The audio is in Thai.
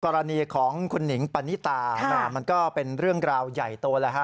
กรณีของคุณหนิงปณิตามามันก็เป็นเรื่องราวใหญ่โตแล้วฮะ